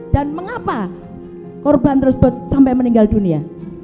mengapa korban tersebut sampai meninggal dunia